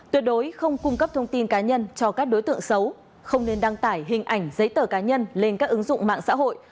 tuyệt đối không cung cấp thông tin cá nhân cho các đối tượng xấu không nên đăng tải hình ảnh giấy tờ cá nhân lên các ứng dụng mạng xã hội